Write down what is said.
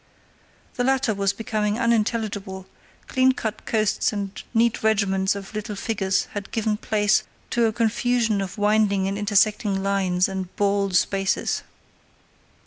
The latter was becoming unintelligible; clean cut coasts and neat regiments of little figures had given place to a confusion of winding and intersecting lines and bald spaces.